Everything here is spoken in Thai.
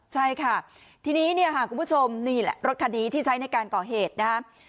ใช่ค่ะทีนี้เนี่ยค่ะคุณผู้ชมนี่แหละรถคันนี้ที่ใช้ในการก่อเหตุนะครับ